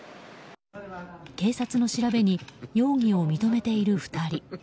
警察の調べに容疑を認めている２人。